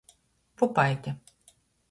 Pupaite.